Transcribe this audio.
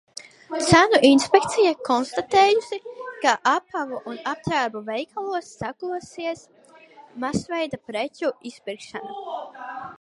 Cenu inspekcija konstatējusi, ka apavu un apģērbu veikalos sākusies masveida preču izpirkšana.